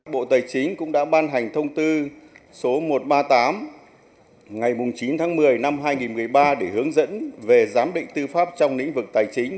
bộ tài chính cũng đã ban hành thông tư số một trăm ba mươi tám ngày chín tháng một mươi năm hai nghìn một mươi ba để hướng dẫn về giám định tư pháp trong lĩnh vực tài chính